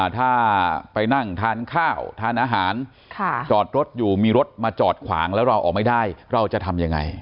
ถ้าไปนั่งทานข้าวทานอาหารจอดรถอยู่มีรถมาจอดขวางแล้วเราออกไม่ได้เราจะทำยังไง